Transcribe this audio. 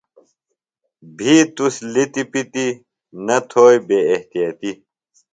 بِھیت تُس لیتیۡ پیتیۡ، نہ تھوئیۡ بے احتیطیۡ